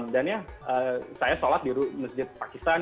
dan ya saya sholat di masjid pakistan